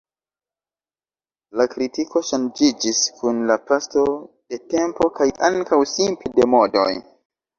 La kritiko ŝanĝiĝis kun la paso de tempo kaj ankaŭ simple de modoj.